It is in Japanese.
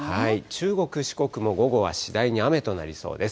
中国、四国も午後は次第に雨となりそうです。